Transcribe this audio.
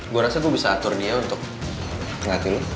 gue rasa gue bisa atur dia untuk ngelatih lo